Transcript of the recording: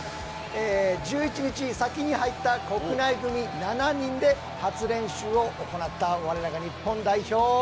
１１日、先に入った国内組７人で初練習を行った我らが日本代表。